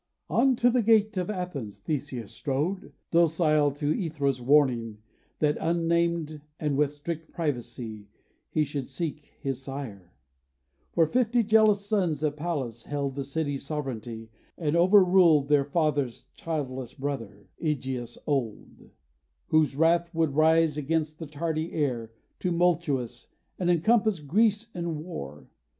On to the gate of Athens Theseus strode, Docile to Æthra's warning, that unnamed, And with strict privacy, he should seek his sire; For fifty jealous sons of Pallas held The city's sovereignty; and overruled Their father's childless brother, Ægeus old: The agile, able, proud Pallantidæ, Whose wrath would rise against the tardy heir, Tumultuous, and encompass Greece in war.